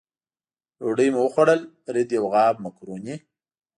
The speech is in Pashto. ډوډۍ مو وخوړل، فرید یو غاب مکروني.